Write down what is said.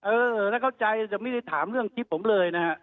เออถ้าเข้าใจแต่ไม่ได้ถามเรื่องคลิปผมเลยนะฮะ